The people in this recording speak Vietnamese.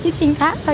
chứ biết ra chứ